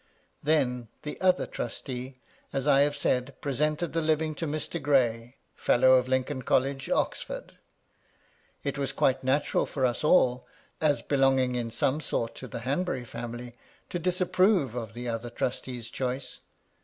Then the other trustee, as I have said, presented the living to Mr. Gray, Fellow of Lincoln College, Oxford. It was quite natural for us all, as belonging in some sort to the Hanbury family, to disapprove of the other trustee's choice.